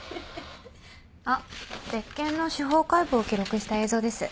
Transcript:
あっ別件の司法解剖を記録した映像です。